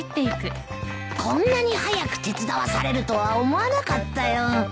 こんなに早く手伝わされるとは思わなかったよ